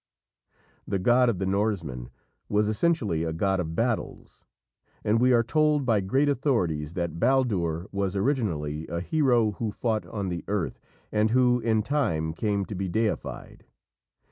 The god of the Norsemen was essentially a god of battles, and we are told by great authorities that Baldur was originally a hero who fought on the earth, and who, in time, came to be deified.